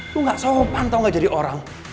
lu gak sopan tau gak jadi orang